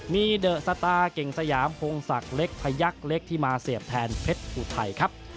มีเดอะสตาร์เก่งสยามพงศักดิ์เล็กพยักษ์เล็กที่มาเสียบแทนเพชรอุทัยครับ